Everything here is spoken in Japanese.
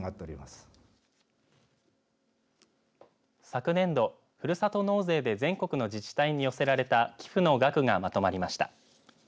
昨年度、ふるさと納税で全国の自治体に寄せられた寄付の額がまとまりました。